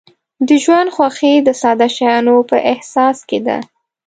د ژوند خوښي د ساده شیانو په احساس کې ده.